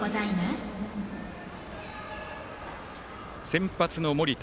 先発の盛田。